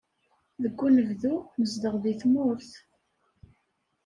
Deg unebdu, nzeddeɣ deg tmurt.